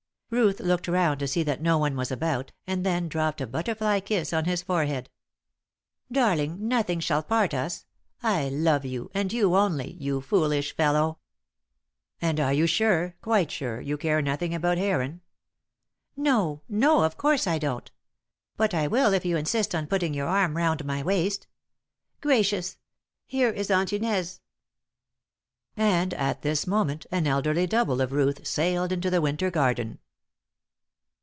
Ruth looked round to see that no one was &bout, and then dropped a butterfly kiss on his forehead. "Darling, nothing shall part us. I love you, and you only, you foolish fellow." "And are you sure, quite sure, you care nothing about Heron?" "No, no, of course I don't. But I will if you insist on putting your arm round my waist. Gracious! Here is Aunt Inez!" And at this moment an elderly double of Ruth sailed into the winter garden.